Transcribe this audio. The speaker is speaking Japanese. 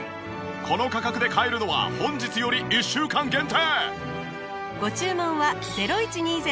この価格で買えるのは本日より１週間限定。